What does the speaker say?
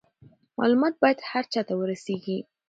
معلومات باید هر چا ته ورسیږي.